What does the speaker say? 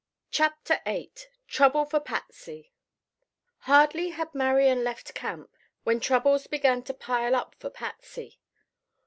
CHAPTER VIII TROUBLE FOR PATSY Hardly had Marian left camp when troubles began to pile up for Patsy.